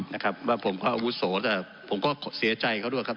นะครับว่าผมก็อาวุโสแต่ผมก็เสียใจเขาด้วยครับ